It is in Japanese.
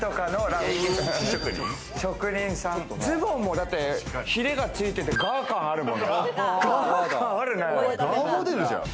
ズボンもヒレがついてて、ガー感あるもんね。